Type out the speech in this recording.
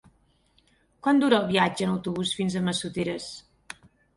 Quant dura el viatge en autobús fins a Massoteres?